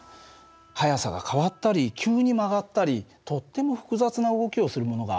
速さが変わったり急に曲がったりとっても複雑な動きをするものが多いでしょ。